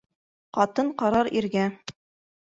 Ҡатын ҡарар иргә